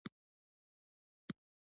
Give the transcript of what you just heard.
د انسان غوښتنې او انګېرنې یې روښانه کړې.